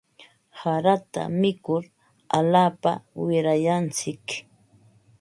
Harata mikur alaapa wirayantsik.